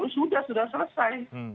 sudah sudah selesai